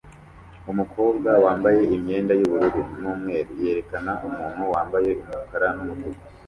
Umukobwa wambaye imyenda yubururu numweru yerekana umuntu wambaye umukara numutuku